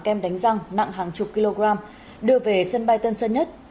kem đánh răng nặng hàng chục kg đưa về sân bay tân sơn nhất